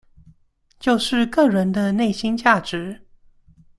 就是個人的內心價值